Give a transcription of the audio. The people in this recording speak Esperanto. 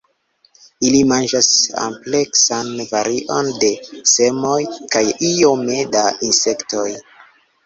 Ili manĝas ampleksan varion de semoj kaj iome da insektoj.